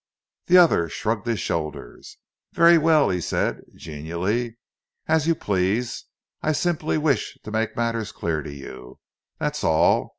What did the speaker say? The other shrugged his shoulders. "Very well," he said genially. "As you please. I simply wish to make matters clear to you, that's all.